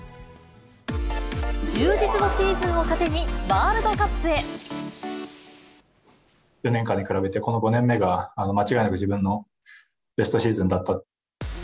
充実のシーズンを糧に、４年間に比べて、この５年目が間違いなく、自分のベストシーズンだった。